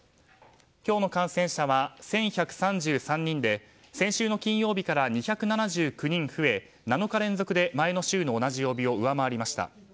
今日の感染者は１１３３人で先週の金曜日から２７９人増え、７日連続で前の週の同じ曜日を上回りました。